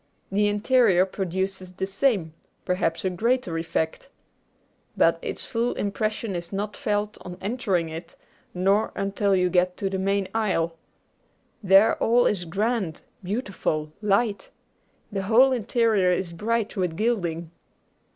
The interior produces the same, perhaps a greater, effect. But its full impression is not felt on entering it, nor until you get to the main aisle. There all is grand, beautiful, light. The whole interior is bright with gilding.